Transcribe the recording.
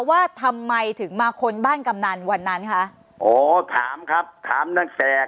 ว่าทำไมถึงมาค้นบ้านกำนันวันนั้นคะอ๋อถามครับถามตั้งแต่